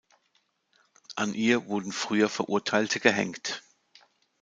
An ihr wurden früher Verurteilte gehenkt.